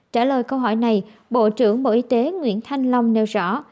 trả lời câu hỏi này bộ trưởng bộ y tế nguyễn thanh long nêu rõ